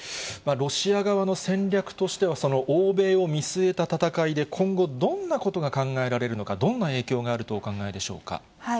ロシア側の戦略としては、欧米を見据えた戦いで、今後、どんなことが考えられるのか、どんな影響があるとお考えでしょうか。